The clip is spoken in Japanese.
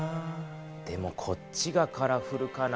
でもこっちがカラフルかな？